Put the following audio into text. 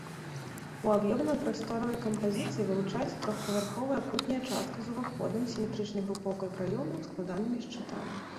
У аб'ёмна-прасторавай кампазіцыі вылучаецца трохпавярховая кутняя частка з уваходам, сіметрычнай групоўкай праёмаў, складанымі шчытамі.